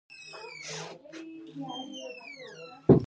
کابل د افغانستان د طبیعي پدیدو یو بل ښکلی رنګ دی.